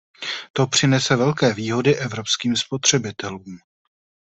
To přinese velké výhody evropským spotřebitelům.